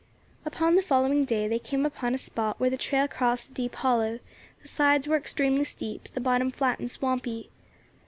Upon the following day they came upon a spot where the trail crossed a deep hollow; the sides were extremely steep, the bottom flat and swampy.